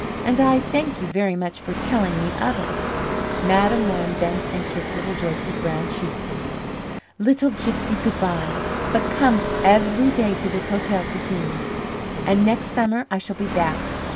And I thank you very much for telling me of it." Madame Laurin bent and kissed Little Joyce's brown cheek. "Little gypsy, good by. But come every day to this hotel to see me. And next summer I shall be back.